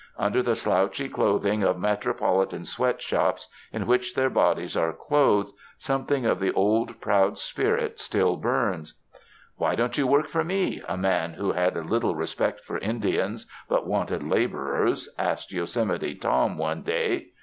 Under the slouchy clothing of metropolitan sweat shops, in which their bodies are clothed, something of the old proud spirit still burns. ''Why don't you work for me?" a man who had little respect for Indians, but wanted laborers, asked Yosemite Tom one day.